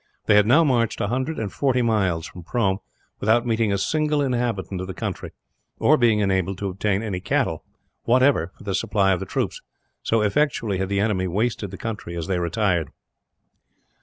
They had now marched a hundred and forty miles, from Prome, without meeting a single inhabitant of the country, or being enabled to obtain any cattle, whatever, for the supply of the troops, so effectually had the enemy wasted the country as they retired.